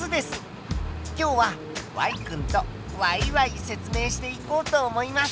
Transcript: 今日は君とワイワイ説明していこうと思います。